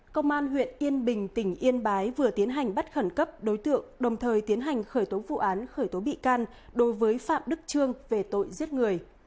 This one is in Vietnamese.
công an huyện yên bình tỉnh yên bái vừa tiến hành bắt khẩn cấp đối tượng đồng thời tiến hành khởi tố vụ án khởi tố bị can đối với phạm đức trương về tội giết người